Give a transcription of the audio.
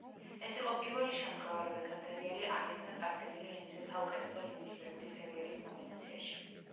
ეს იყო პირველი შემთხვევა, როდესაც სერიალი არ იქნა წარდგენილი ემიზე საუკეთესო ლიმიტირებული სერიალის ნომინაციაში.